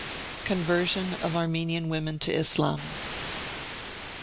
CONVERSION OF ARMENIAN WOMEN TO ISLAM.